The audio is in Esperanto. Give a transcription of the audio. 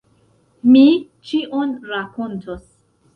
Mi ĉion rakontos!